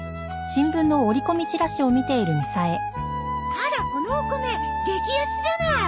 あらこのお米激安じゃない！